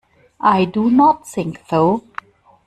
I do not think so.